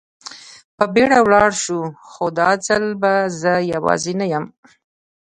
په بېړه ولاړ شو، خو دا ځل به زه یوازې نه یم.